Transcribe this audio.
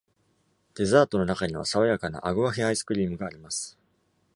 デザートの中には爽やかなアグアヘアイスクリームがあります。